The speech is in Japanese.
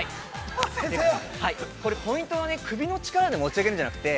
これ、ポイントは首の力で持ち上げるんじゃなくて。